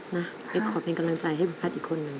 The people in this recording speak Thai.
นะครับให้ผมขอเป็นกำลังใจให้ผมอาจอีกคนนึง